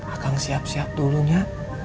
akang siap siap dulunya